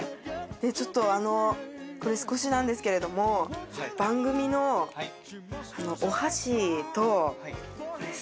ちょっとあのこれ少しなんですけれども番組のお箸とステッカーになります。